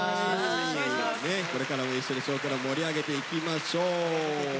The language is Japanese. これからも一緒に「少クラ」盛り上げていきましょう。